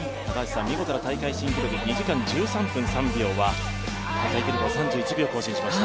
見事な大会新記録２時間１３秒３秒は大会記録を３１秒更新しました。